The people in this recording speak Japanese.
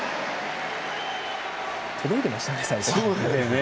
届いてましたよね、最後。